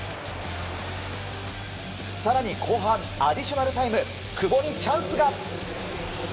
更に、後半アディショナルタイム久保にチャンスが。